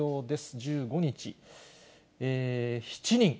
１５日、７人。